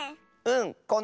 うん。